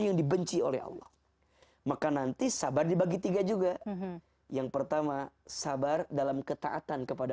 yang dibenci oleh allah maka nanti sabar dibagi tiga juga yang pertama sabar dalam ketaatan kepada